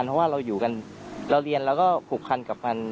เพราะว่าเราอยู่กันเราเรียนแล้วก็ผูกพันกับมัน